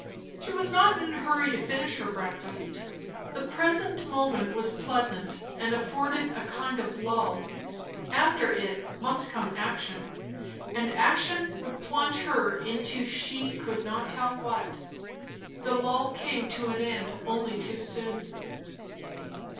She was not in a hurry to finish her breakfast. The present moment was pleasant, and afforded a kind of lull; after it must come action, and action would plunge her into she could not tell what. The lull came to an end only too soon.